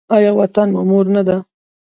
آیا وطن مور نه ده؟